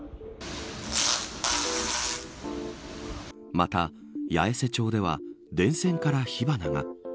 また、八重瀬町では電線から火花が。